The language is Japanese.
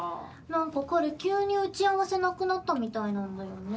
彼、急に打ち合わせなくなったみたいなんだよね。